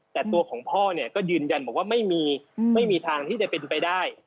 แต่ตัวของพ่อเนี่ยก็ยืนยันบอกว่าไม่มีไม่มีทางที่จะเป็นไปได้